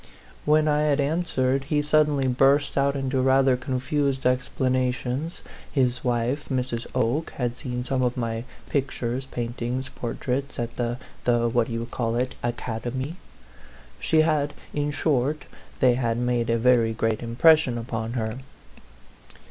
9 "When I had answered, he suddenly burst out into rather confused explanations, his wife Mrs. Oke had seen some of my pictures paintings portraits at the the what d'you call it ? Academy. She had in short, they had made a very great im pression upon her.